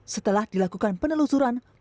setelah dilakukan penelusuran